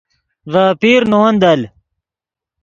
ڤے اپیر نے ون دل